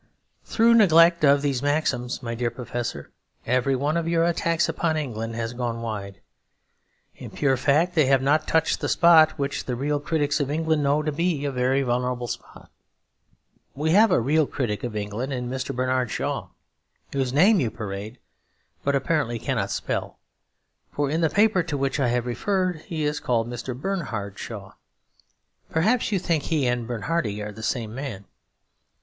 Through neglect of these maxims, my dear Professor, every one of your attacks upon England has gone wide. In pure fact they have not touched the spot, which the real critics of England know to be a very vulnerable spot. We have a real critic of England in Mr. Bernard Shaw, whose name you parade but apparently cannot spell; for in the paper to which I have referred he is called Mr. Bernhard Shaw. Perhaps you think he and Bernhardi are the same man.